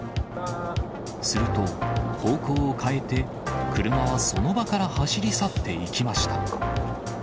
すると、方向を変えて、車はその場から走り去っていきました。